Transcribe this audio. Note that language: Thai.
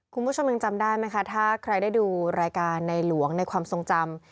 คุณผู้ชมยังจำได้ไหมคะถ้าใครได้ดูรายการในหลวงในความทรงจำ